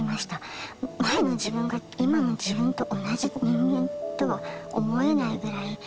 前の自分が今の自分と同じ人間とは思えないぐらい。